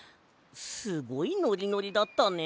すごいノリノリだったね。